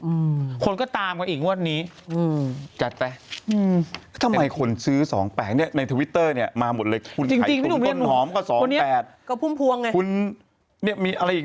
อืมคนก็ตามกันอีกมวดนี้อืมจัดไปอืมแล้วทำไมคนซื้อสองแปดเนี่ย